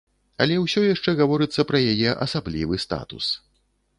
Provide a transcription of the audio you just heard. Але ўсё яшчэ гаворыцца пра яе асаблівы статус.